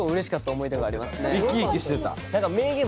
生き生きしてた。